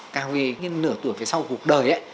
càng về nửa tuổi về sau cuộc đời